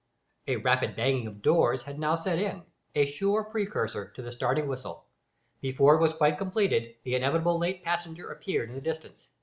A rapid banging of doors had now set in a sure precursor of the starting whistle. Before it was quite completed, the inevitable late passenger appeared in the distance.